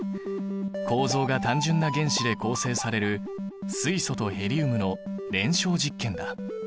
構造が単純な原子で構成される水素とヘリウムの燃焼実験だ。